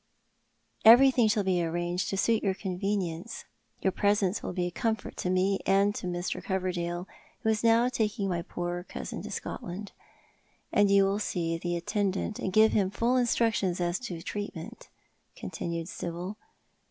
"Everything shall be arranged to suit your convenience. Your presence will be a comfort to mo and to Mr. Covcrdale, who is taking my poor cousin to Scotland. And you will see the attendant, and give him full instructions as to treatment," continued Sibyl.